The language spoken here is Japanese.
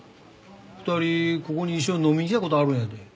２人ここに一緒に飲みに来た事あるんやで。